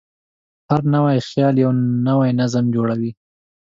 هر نوی خیال یو نوی نظم جوړوي.